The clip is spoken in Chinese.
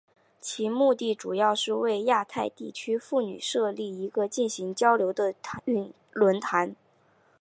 其目的主要是为亚太地区妇女设立一个进行交流的论坛。